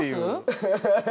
アハハハハ！